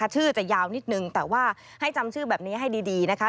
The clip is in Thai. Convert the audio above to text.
ชื่อจะยาวนิดนึงแต่ว่าให้จำชื่อแบบนี้ให้ดีนะคะ